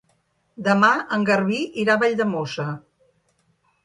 Demà en Garbí irà a Valldemossa.